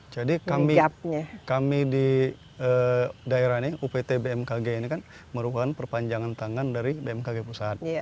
jadi kami di daerah ini upt bmkg ini kan merupakan perpanjangan tangan dari bmkg pusat